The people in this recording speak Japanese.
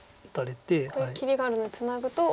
これ切りがあるのでツナぐと。